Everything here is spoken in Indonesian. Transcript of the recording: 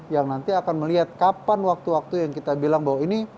yang nanti akan melihat kapan waktu waktu yang kita bilang bahwa ini